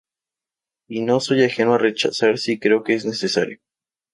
Y no soy ajeno a rechazar si creo que es necesario.